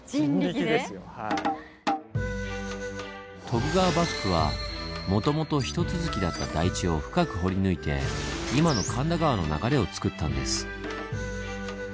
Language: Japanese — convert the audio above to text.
徳川幕府はもともと一続きだった台地を深く掘り抜いて今の神田川の流れをつくったんです。